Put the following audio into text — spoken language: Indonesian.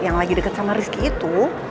yang lagi dekat sama rizky itu